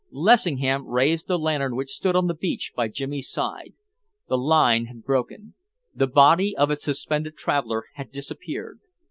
Lessingham raised the lantern which stood on the beach by Jimmy's side. The line had broken. The body of its suspended traveller had disappeared!